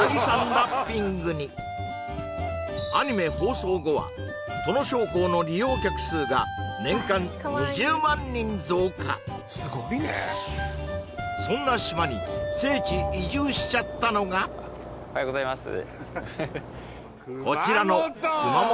ラッピングにアニメ放送後は土庄港の利用客数が年間２０万人増加すごいねそんな島に聖地移住しちゃったのがおはようございます熊本